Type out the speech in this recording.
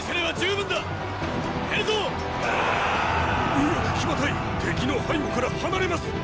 右翼騎馬隊敵の背後から離れます！